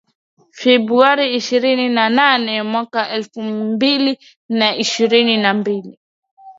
Februari ishirini na nane mwaka elfu mbili na ishirini na mbili